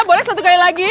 boleh satu kali lagi